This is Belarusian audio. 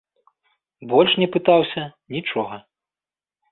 Больш не пытаўся нічога.